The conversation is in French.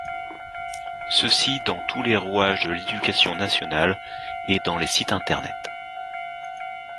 Ceci dans tous les rouages de l’Éducation Nationale, et dans les sites internet.